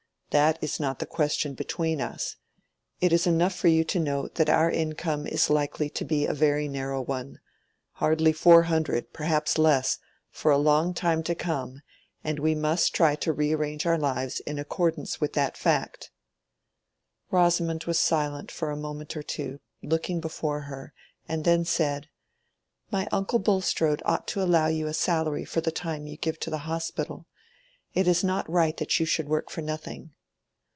That is not the question between us. It is enough for you to know that our income is likely to be a very narrow one—hardly four hundred, perhaps less, for a long time to come, and we must try to re arrange our lives in accordance with that fact." Rosamond was silent for a moment or two, looking before her, and then said, "My uncle Bulstrode ought to allow you a salary for the time you give to the Hospital: it is not right that you should work for nothing."